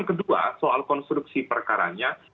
kedua soal konstruksi perkaranya